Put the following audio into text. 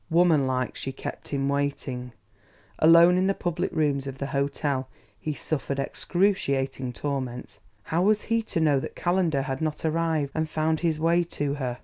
Woman like, she kept him waiting. Alone in the public rooms of the hotel, he suffered excruciating torments. How was he to know that Calendar had not arrived and found his way to her?